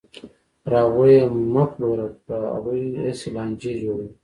پر هغوی یې مه پلوره، هغوی هسې لانجې جوړوي.